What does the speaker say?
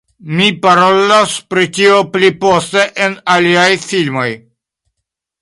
Mi parolos pri tio pli poste en aliaj filmoj